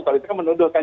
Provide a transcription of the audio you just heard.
kalau itu kan menuduhkan